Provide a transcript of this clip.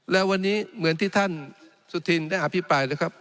และวันนี้เหมือนที่ท่านสุธินได้อภิปรายเลยครับ